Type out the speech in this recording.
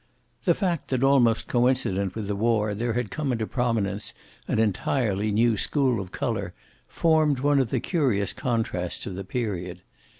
The fact that almost coincident with the war there had come into prominence an entirely new school of color formed one of the curious contrasts of the period.